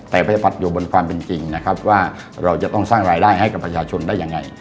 แต่พยบัตรอยู่บนความเป็นจริงนะครับว่าเราจะต้องสร้างรายได้ให้กับประชาชนได้ยังไง